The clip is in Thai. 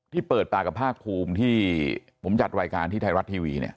เปิดปากกับภาคภูมิที่ผมจัดรายการที่ไทยรัฐทีวีเนี่ย